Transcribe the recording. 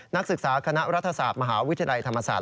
นักศึกษาคณะรัฐศาสตร์มหาวิทยาลัยธรรมศาสต